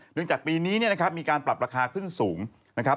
เนื่องจากปีนี้มีการปรับราคาขึ้นสูงนะครับ